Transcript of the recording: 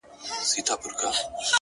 نیک چلند تل بېرته راګرځي،